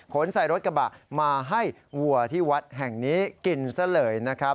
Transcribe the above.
ใส่รถกระบะมาให้วัวที่วัดแห่งนี้กินซะเลยนะครับ